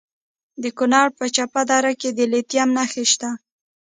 د کونړ په چپه دره کې د لیتیم نښې شته.